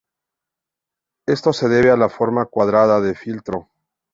Esto se debe a la forma cuadrada del filtro.